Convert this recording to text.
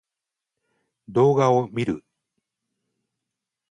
動画を見る